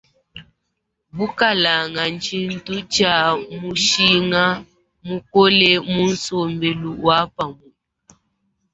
Bukalanga tshintu tshia mushinga mukole mu sombelu wa pamue.